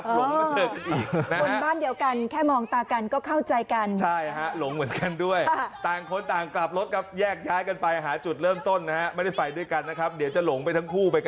พอถามแล้วเจอคนหลงเหมือนกันทำยังไง